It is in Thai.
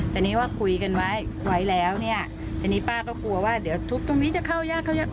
แต่นี่ว่าคุยกันไว้ไว้แล้วเนี่ยทีนี้ป้าก็กลัวว่าเดี๋ยวทุบตรงนี้จะเข้ายากเข้ายาก